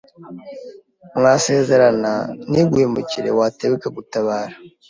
mwasezerana ntiguhemukire, waterwa ikagutabara